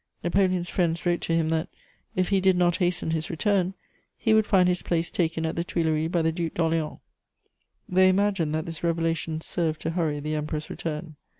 Napoleon's friends wrote to him that, if he did not hasten his return, he would find his place taken at the Tuileries by the Duc d'Orléans: they imagine that this revelation served to hurry the Emperor's return.